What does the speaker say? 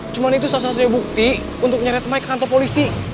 cuma itu salah satunya bukti untuk nyari teman ke kantor polisi